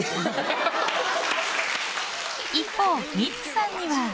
一方、ミッツさんには。